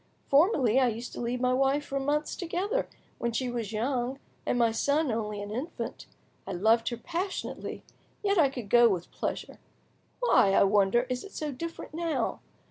Formerly, I used to leave my wife for months together, when she was young and my son only, an infant; I loved her passionately, yet I could go with pleasure. Why, I wonder, is it so different now?